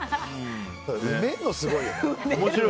埋めるの、すごいよね。